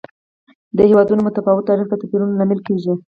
د هېوادونو متفاوت تاریخ د توپیرونو لامل کېږي.